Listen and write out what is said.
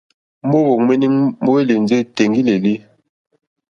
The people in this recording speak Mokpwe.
Móǒhwò ŋméní móhwélì ndí tèŋɡí!lélí.